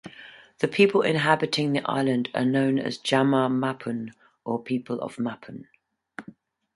The people inhabiting the island are known as Jama Mapun or "people of Mapun".